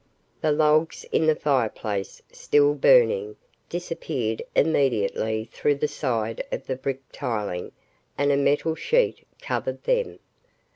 The logs in the fireplace, still burning, disappeared immediately through the side of the brick tiling and a metal sheet covered them.